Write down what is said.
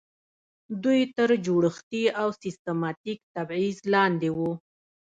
دوی تر جوړښتي او سیستماتیک تبعیض لاندې وو.